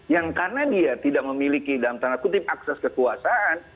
yang karena dia tidak memiliki dalam tanda kutip akses kekuasaan